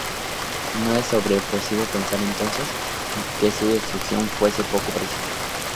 No es sorpresivo pensar entonces, que su traducción fuese poco precisa.